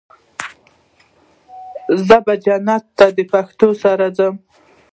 زه به جنت ته د پښتو سره ځو